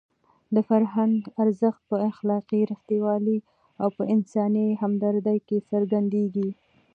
د فرهنګ ارزښت په اخلاقي رښتینولۍ او په انساني همدردۍ کې څرګندېږي.